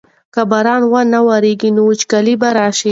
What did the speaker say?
که باران ونه ورېږي نو وچکالي به راشي.